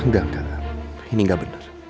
gak gak ini gak bener